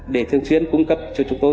để thường xuyên cung cấp cho chúng tôi